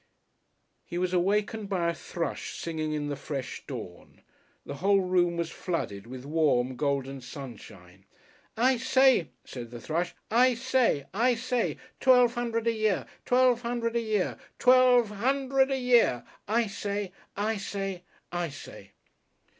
He was awakened by a thrush singing in the fresh dawn. The whole room was flooded with warm, golden sunshine. "I say!" said the thrush. "I say! I say! Twelve 'undred a year! Twelve 'Undred a Year. Twelve 'UNDRED a Year! I say! I say! I say!"